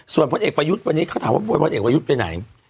ส่วนพลเอกประยุทธ์วันนี้เขาถามว่าพลเอกประยุทธ์ไปไหน